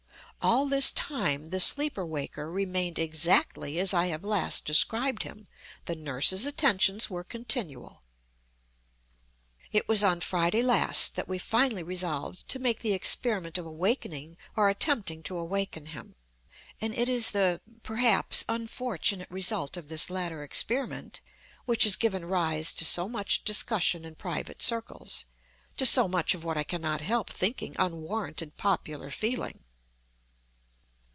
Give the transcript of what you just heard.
All this time the sleeper waker remained exactly as I have last described him. The nurses' attentions were continual. It was on Friday last that we finally resolved to make the experiment of awakening, or attempting to awaken him; and it is the (perhaps) unfortunate result of this latter experiment which has given rise to so much discussion in private circles—to so much of what I cannot help thinking unwarranted popular feeling.